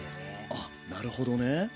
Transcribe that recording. あっなるほどね。